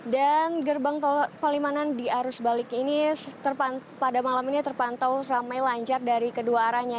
dan gerbang tol palimanan di arus balik ini pada malam ini terpantau ramai lancar dari kedua arahnya